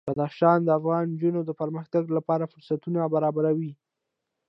بدخشان د افغان نجونو د پرمختګ لپاره فرصتونه برابروي.